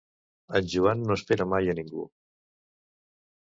En Joan no espera mai a ningú